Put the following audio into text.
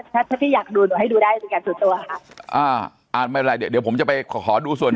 ใช่ค่ะทำงานได้ยินให้ในทางพิสาร